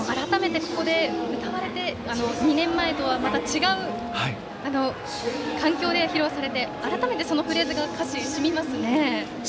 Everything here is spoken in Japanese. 改めてここで歌われて２年前とはまた違う環境で披露されて、改めてそのフレーズがしみますね。